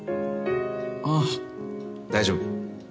あぁ大丈夫。